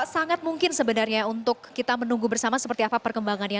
sangat mungkin sebenarnya untuk kita menunggu bersama seperti apa perkembangannya